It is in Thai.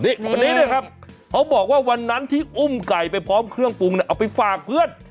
นี่คนนี้เนี่ยครับเขาบอกว่าวันนั้นที่อุ้มไก่ไปพร้อมเครื่องปรุงเอาไปฝากเพื่อน